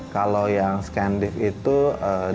kalau yang skandif itu dari